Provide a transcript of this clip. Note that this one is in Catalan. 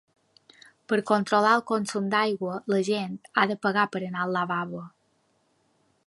Per controlar el consum d'aigua, la gent ha de pagar per anar al lavabo.